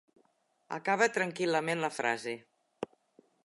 Acaba tranquil·lament la frase.